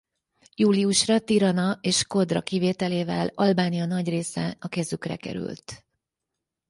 Júliusra Tirana és Shkodra kivételével Albánia nagy része a kezükre került.